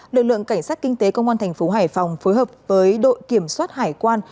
lực lượng cảnh sát kinh tế công an thành phố hải phòng phối hợp với đội kiểm soát hải quan